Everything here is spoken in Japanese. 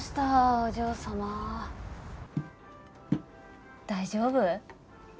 お嬢さま大丈夫？